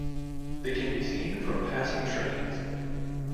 They can be seen from passing trains.